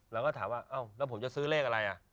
แล้วผมจะซื้อเลขอะไร